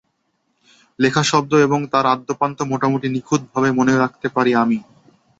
লেখা শব্দ এবং তার আদ্যোপান্ত মোটামুটি নিখুঁতভাবে মনে রাখতে পারি আমি।